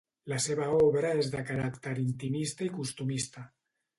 La seva obra és de caràcter intimista i costumista.